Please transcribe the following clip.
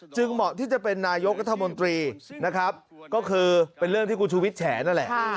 เหมาะที่จะเป็นนายกรัฐมนตรีนะครับก็คือเป็นเรื่องที่คุณชูวิทย์แฉนั่นแหละ